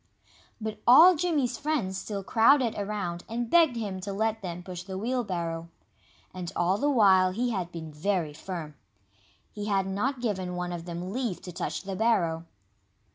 But all Jimmy's friends still crowded around and begged him to let them push the wheelbarrow. And all the while he had been very firm. He had not given one of them leave to touch the barrow.